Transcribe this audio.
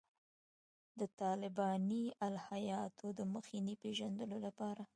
د طالباني الهیاتو د مخینې پېژندلو لپاره.